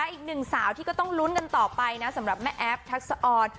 อีกหนึ่งสาวที่ก็ต้องลุ้นกันต่อไปนะสำหรับแม่แอฟทักษะออน